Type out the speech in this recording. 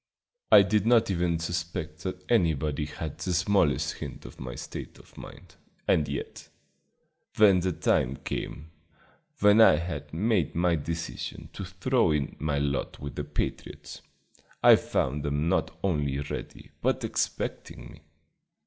I did not even suspect that anybody had the smallest hint of my state of mind, and yet, when the time came, when I had made my decision to throw in my lot with the patriots, I found them not only ready, but expecting me.